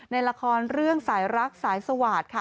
ในละครเรื่องสายรักสายสวาสตร์ค่ะ